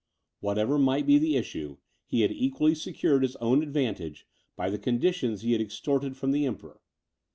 Whatever might be the issue, he had equally secured his own advantage, by the conditions he had extorted from the Emperor.